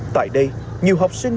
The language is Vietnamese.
tại đây nhiều học sinh